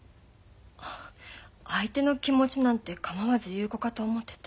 あ相手の気持ちなんて構わず言う子かと思ってた。